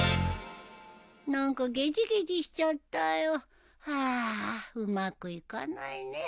何かゲジゲジしちゃったよハァうまくいかないね。